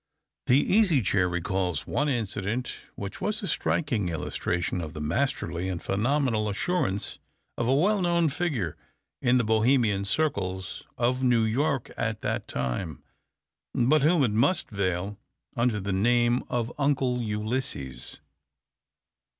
The Easy Chair recalls one incident which was a striking illustration of the masterly and phenomenal assurance of a well known figure in the Bohemian circles of New York at that time, but whom it must veil under the name of Uncle Ulysses.